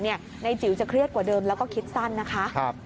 นายจิ๋วจะเครียดกว่าเดิมแล้วก็คิดสั้นนะคะ